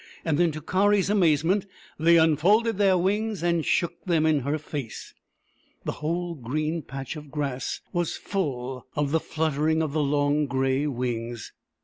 Then, to Kari's amazement, they unfolded their wings and shook them in her face. The whole green patch of grass was full of the fluttering of the long grey wings.